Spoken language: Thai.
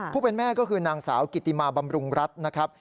ผู้เป็นแม่ก็คือนางสาวกิติมาบำรุงรัฐนะครับ